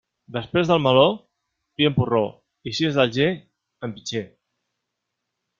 Després del meló, vi en porró, i si és d'Alger, en pitxer.